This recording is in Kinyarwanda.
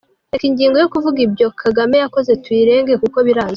Reka ingingo yo kuvuga ibyo Kagame yakoze tuyirenge kuko birazwi.